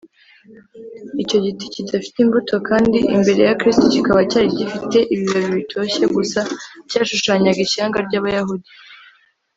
icyo giti kidafite imbuto, kandi imbere ya kristo kikaba cyari gifite ibibabi bitoshye gusa, cyashushanyaga ishyanga ry’abayahudi